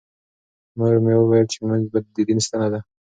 مور مې وویل چې لمونځ د دین ستنه ده.